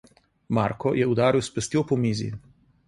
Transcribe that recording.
Marko je udaril s pestjo po mizi.